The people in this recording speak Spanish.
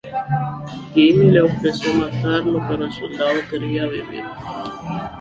Jimmy le ofreció matarlo pero el soldado quería vivir.